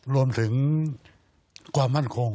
รวมถึงความมั่นคง